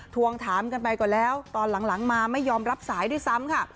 ทวงถามกันไปก่อนแล้วตอนหลังมาไม่ยอมรับสายด้วยซ้ำค่ะ